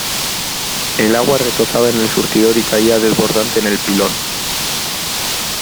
El agua retozaba en el surtidor y caía desbordante en el pilón.